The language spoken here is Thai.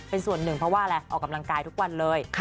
เป็นส่วนหนึ่งเพราะว่าอะไรออกกำลังกายทุกวันเลย